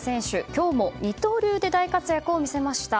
今日も二刀流で大活躍を見せました。